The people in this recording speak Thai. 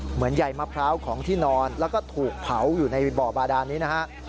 ใหญ่มะพร้าวของที่นอนแล้วก็ถูกเผาอยู่ในบ่อบาดานนี้นะฮะ